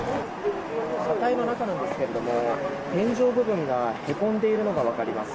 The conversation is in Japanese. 車体の中ですけども天井部分がへこんでいるのが分かります。